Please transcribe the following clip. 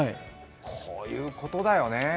こういうことだよね。